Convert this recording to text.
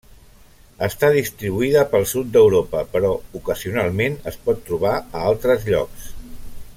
Està distribuïda pel sud d'Europa però ocasionalment es pot trobar a altres llocs.